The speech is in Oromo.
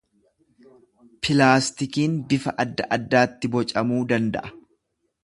Pilaastikiin bifa adda addaatti bocamuu danda’a.